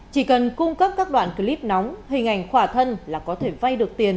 chỉ cần cung cấp các đoạn clip nóng hình ảnh khỏa thân là có thể vay được tiền